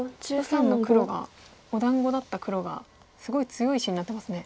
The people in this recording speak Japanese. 右辺の黒がお団子だった黒がすごい強い石になってますね。